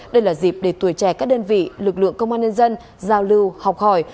đây là dịp để tuổi trẻ các đơn vị lực lượng công an nhân dân giao lưu học hỏi